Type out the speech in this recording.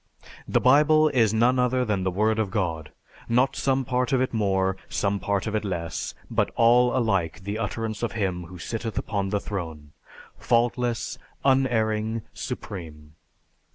The Bible is none other than the Word of God, not some part of it more, some part of it less, but all alike the utterance of Him who sitteth upon the throne, faultless, unerring, supreme."